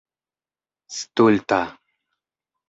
stulta